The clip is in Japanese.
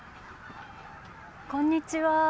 こんにちは。